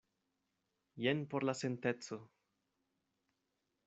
Jen por la senteco.